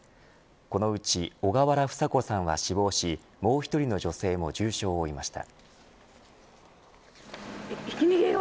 このうち小河原房子さんは死亡しもう１人の女性も重傷を負いました。